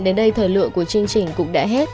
đến đây thời lượng của chương trình cũng đã hết